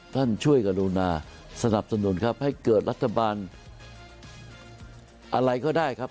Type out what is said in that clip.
ท่านช่วยกรุณาสนับสนุนครับให้เกิดรัฐบาลอะไรก็ได้ครับ